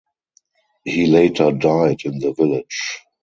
He later died in the village.